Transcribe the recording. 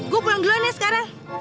gue pulang duluan ya sekarang